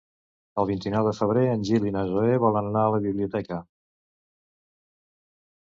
El vint-i-nou de febrer en Gil i na Zoè volen anar a la biblioteca.